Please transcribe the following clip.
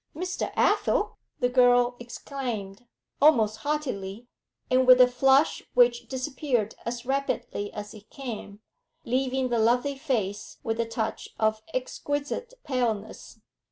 'Mr. Athel!' the girl exclaimed, almost haughtily, and with a flush which disappeared as rapidly as it came, leaving the lovely face with a touch of exquisite paleness.